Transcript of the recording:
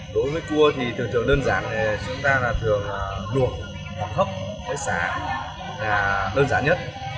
đối với cua thì thường thường đơn giản chúng ta thường là đuộc hoặc hấp với xà là đơn giản nhất